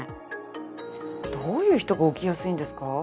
どういう人が起きやすいんですか？